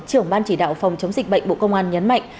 trưởng ban chỉ đạo phòng chống dịch bệnh bộ công an nhấn mạnh